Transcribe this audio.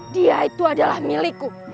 dia itu adalah milikku